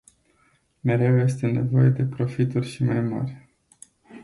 Mereu este nevoie de profituri și mai mari.